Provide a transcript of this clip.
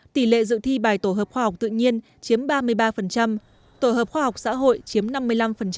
tỷ lệ dự thi bài tổ hợp khoa học tự nhiên chiếm ba mươi ba tổ hợp khoa học xã hội chiếm năm mươi năm